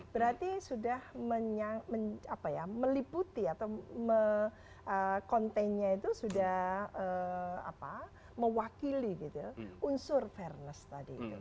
berarti sudah meliputi atau kontennya itu sudah mewakili unsur fairness tadi itu